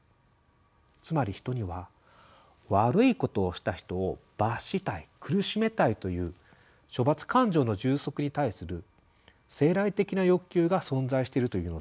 つまり人には「悪いことをした人を罰したい苦しめたい」という処罰感情の充足に対する生来的な欲求が存在しているというのです。